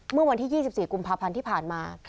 เมื่อวันที่๒๔กุมภาพันธ์ที่ผ่านมา